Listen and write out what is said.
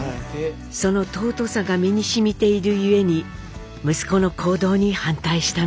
その尊さが身にしみている故に息子の行動に反対したのです。